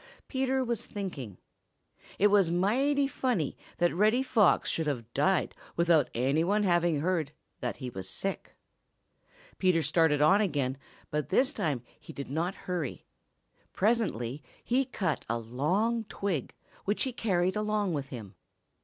Peter was thinking. It was mighty funny that Reddy Fox should have died without any one having heard that he was sick. Peter started on again, but this time he did not hurry. Presently he cut a long twig, which he carried along with him.